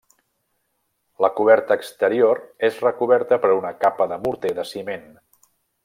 La coberta exterior és recoberta per una capa de morter de ciment.